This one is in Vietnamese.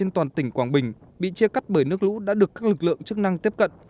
toàn tỉnh quảng bình bị chia cắt bởi nước lũ đã được các lực lượng chức năng tiếp cận